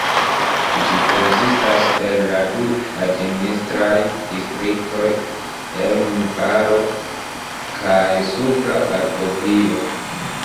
Ĝi konsistas el la du administraj distriktoj Emme-Valo kaj Supra Argovio.